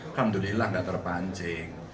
alhamdulillah nggak terpancing